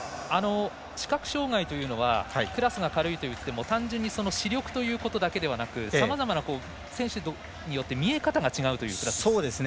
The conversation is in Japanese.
視覚障がいというのはクラスが軽いといっても単純に視力ということだけではなくさまざまな選手によって見え方が違うというクラスですね。